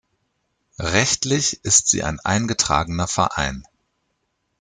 Rechtlich ist sie ein eingetragener Verein.